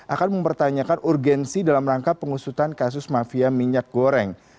akan mempertanyakan urgensi dalam rangka pengusutan kasus mafia minyak goreng